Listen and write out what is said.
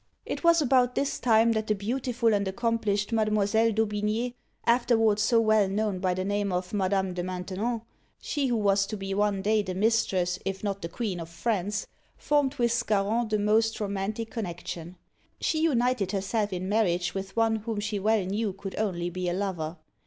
It was about this time that the beautiful and accomplished Mademoiselle d'Aubigné, afterwards so well known by the name of Madame de Maintenon, she who was to be one day the mistress, if not the queen of France, formed with Scarron the most romantic connexion. She united herself in marriage with one whom she well knew could only be a lover.